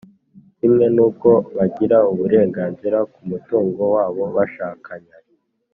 kimwe n’uko bagira uburenganzira ku mutungo wabo bashakanye